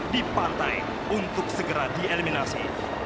di pantai untuk segera dieliminasi